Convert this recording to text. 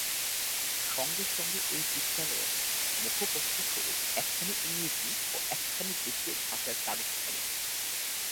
সঙ্গে সঙ্গে ঐ বিদ্যালয়ের মুখপত্রস্বরূপ একখানি ইংরেজী ও একখানি দেশীয় ভাষার কাগজ থাকিবে।